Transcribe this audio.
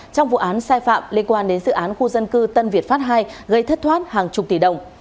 trong vụ án sai phạm liên quan đến dự án khu dân cư tân việt pháp ii gây thất thoát hàng chục tỷ đồng